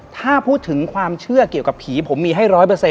ถ้าพูดถึงความเชื่อเกี่ยวกับผีผมมีให้๑๐๐